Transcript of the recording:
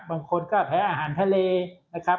บางคนก็แพ้อาหารทะเลนะครับ